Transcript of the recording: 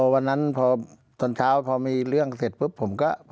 วันนั้นพอตอนเช้าพอมีเรื่องเสร็จปุ๊บผมก็